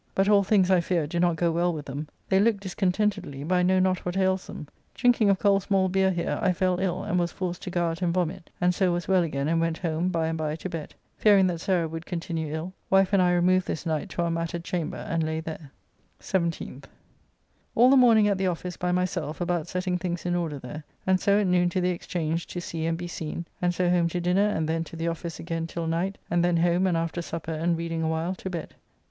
But all things, I fear, do not go well with them; they look discontentedly, but I know not what ails them. Drinking of cold small beer here I fell ill, and was forced to go out and vomit, and so was well again and went home by and by to bed. Fearing that Sarah would continue ill, wife and I removed this night to our matted chamber and lay there. 17th. All the morning at the office by myself about setting things in order there, and so at noon to the Exchange to see and be seen, and so home to dinner and then to the office again till night, and then home and after supper and reading a while to bed.